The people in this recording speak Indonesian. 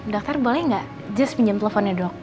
dokter boleh gak jess pinjam teleponnya dok